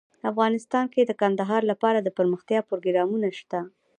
افغانستان کې د کندهار لپاره دپرمختیا پروګرامونه شته.